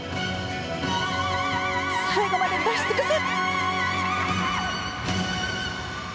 最後まで出し尽くす。